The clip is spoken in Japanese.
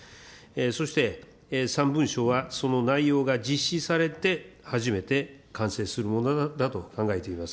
そして、３文書はその内容が実施されて初めて完成するものだと考えています。